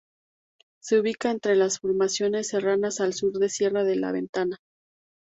Se ubica entre las formaciones serranas al sur de Sierra de la Ventana.